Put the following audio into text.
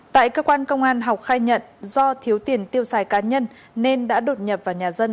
tại cơ quan công an học khai nhận do thiếu tiền tiêu xài cá nhân nên đã đột nhập vào nhà dân